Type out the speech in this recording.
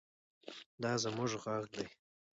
دا زموږ غږ دی.